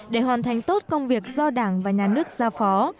để hoàn thành tốt công việc do đảng và nhà nước giao phó